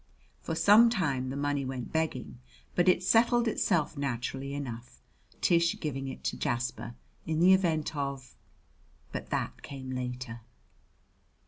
For some time the money went begging, but it settled itself naturally enough, Tish giving it to Jasper in the event of but that came later.